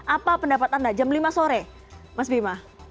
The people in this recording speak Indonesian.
apa pendapat anda jam lima sore mas bima